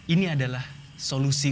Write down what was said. ini adalah solusi